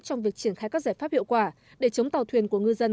trong việc triển khai các giải pháp hiệu quả để chống tàu thuyền của ngư dân